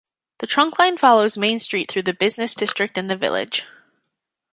The trunkline follows Main Street through the business district in the village.